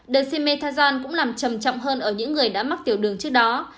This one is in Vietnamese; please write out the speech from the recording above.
dexamethasone cũng làm trầm trọng hơn ở những người đã mắc tiểu đường trước đó